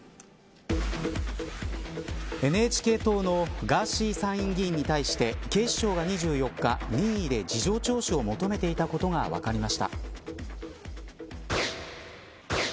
ＮＨＫ党のガーシー参院議員に対して警視庁が２４日任意で事情聴取を求めていたことが分かりました。